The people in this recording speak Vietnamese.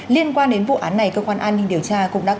liên quan đến vụ án này cơ quan an ninh điều tra cũng đã cố gắng